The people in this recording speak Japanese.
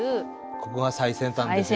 ここが最先端ですよって。